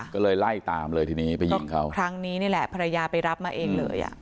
ก็เลยไล่ตามเลยทีนี้ไปยิงเขาครั้งนี้นี่แหละภรรยาไปรับมาเองเลยอ่ะ